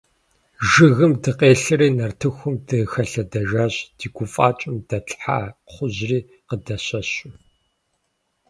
Жыгым дыкъелъэри нартыхум дыхэлъэдэжащ, ди гуфӀакӀэм дэтлъхьа кхъужьри къыдэщэщу.